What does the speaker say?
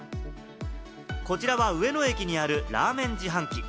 こちらは上野駅にあるラーメン自販機。